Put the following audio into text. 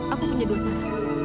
aku punya dua syarat